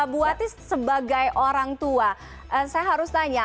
bu wati sebagai orang tua saya harus tanya